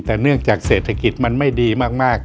แต่เนื่องจากเศรษฐกิจมันไม่ดีมาก